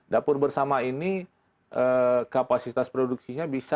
dapur bersama ini kapasitas produksinya bisa